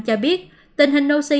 cho biết tình hình oxy